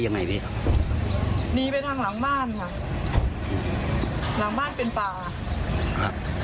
ยังไงพี่นี่ไปทางหลังบ้านค่ะหลังบ้านเป็นป่าอ่าค่ะ